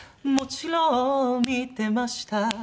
「もちろん見てました」